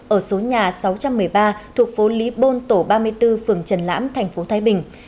ở số nhà sáu trăm một mươi ba thuộc phố lý bôn tổ ba mươi bốn phường trần lãm thành phố thái bình